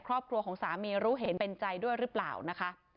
ครอบครัวของสามีรู้เห็นเป็นใจด้วยหรือเปล่านะคะ